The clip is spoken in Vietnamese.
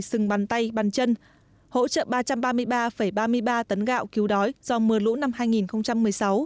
sừng bàn tay bàn chân hỗ trợ ba trăm ba mươi ba ba mươi ba tấn gạo cứu đói do mưa lũ năm hai nghìn một mươi sáu